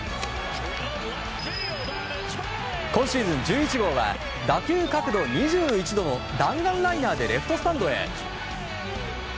今シーズン１１号は打球角度２１度の弾丸ライナーでレフトスタンドへ！